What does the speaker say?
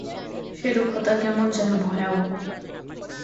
সে রুক্ষতা কেমন যেন ভয়াবহ।